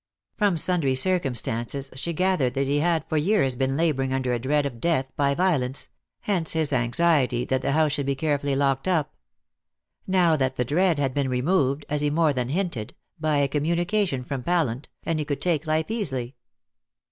From sundry circumstances she gathered that he had for years been labouring under a dread of death by violence, hence his anxiety that the house should be carefully locked up. Now that dread had been removed as he more than hinted by a communication from Pallant, and he could take life easily.